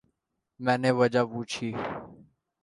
میں نے وجہ پوچھی۔